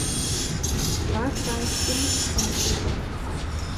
Wahlkreis in Istanbul.